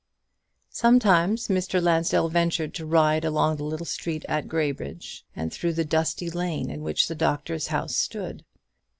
Sometimes Mr. Lansdell ventured to ride along the little street at Graybridge and through the dusty lane in which the doctor's house stood.